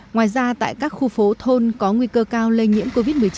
ngoài ra tại các khu phố thôn có nguy cơ cao lây nhiễm covid một mươi chín